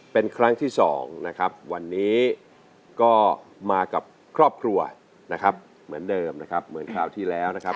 เป็นครั้งที่สองนะครับวันนี้ก็มากับครอบครัวนะครับเหมือนเดิมนะครับเหมือนคราวที่แล้วนะครับ